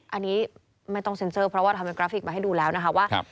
อันนี้ไม่ต้องเซ็นเซอร์เพราะว่าทำเป็นกราฟิกมาให้ดูแล้วนะคะว่า